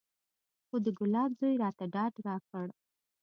خو د ګلاب زوى راته ډاډ راکړ.